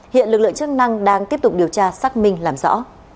hiện lực lượng chức năng đang tiếp tục điều tra xác minh làm rõ